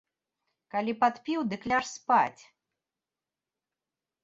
Калі падпіў, дык ляж спаць!